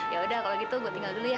ya udah kalau gitu gue tinggal dulu ya